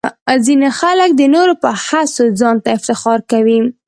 ځینې خلک د نورو په هڅو ځان ته افتخار کوي.